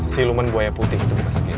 siluman buaya putih itu bukan lagi danong